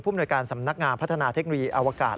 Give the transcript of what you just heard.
หน่วยการสำนักงานพัฒนาเทคโนโลยีอวกาศ